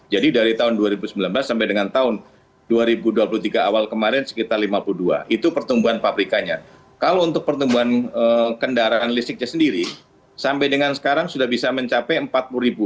jadi dari tahun dua ribu sembilan belas sampai dengan tahun dua ribu dua puluh tiga awal kemarin sekitar lima puluh dua itu pertumbuhan pabrikannya kalau untuk pertumbuhan kendaraan listriknya sendiri sampai dengan sekarang sudah bisa mencapai empat puluh ribu